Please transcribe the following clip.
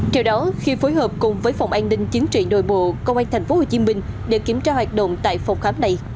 theo đó khi phối hợp cùng với phòng an ninh chính trị nội bộ công an tp hcm để kiểm tra hoạt động tại phòng khám này